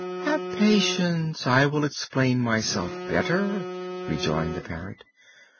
"Have patience! I will explain myself better," rejoined the Parrot.